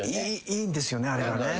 いいんですよねあれが。